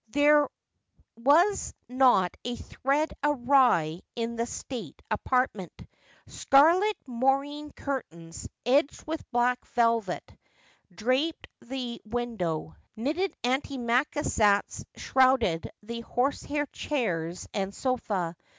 There was not a thread awry in this state apartment. Scarlet moreen curtains, edged with black velet, draped the window, knitted antimaeassais shrouded the horsehair chairs and sofa.